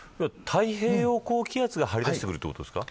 太平洋高気圧が張り出してくるってことですか。